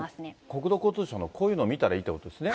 この国土交通省の、こういうのを見たらいいってことですね。